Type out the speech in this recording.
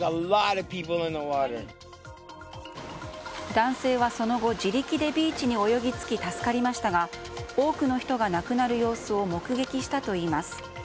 男性はその後、自力でビーチに泳ぎ着き助かりましたが多くの人が亡くなる様子を目撃したといいます。